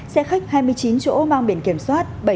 xe khách hai mươi chín chỗ mang biển kiểm soát